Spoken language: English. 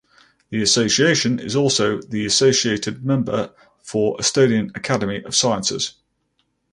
The association is also the associated member for Estonian Academy of Sciences.